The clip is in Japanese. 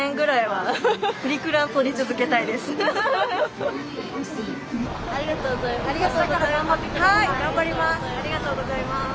はい頑張ります。